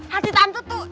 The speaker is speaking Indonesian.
hati tante tuh